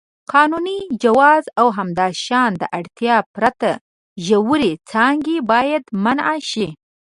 قانوني جواز او همداشان د اړتیا پرته ژورې څاګانې باید منع شي.